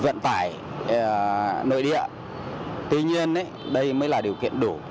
vận tải nội địa tuy nhiên đây mới là điều kiện đủ